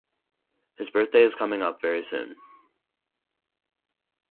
His birthday is coming up very soon.